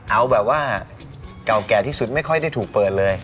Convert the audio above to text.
เอาแบบว่าเก่าแก่ที่สุดไม่ค่อยได้ถูกเปิดเลย